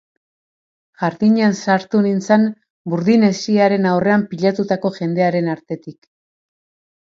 Jardinean sartu nintzen burdin hesiaren aurrean pilatutako jendearen artetik.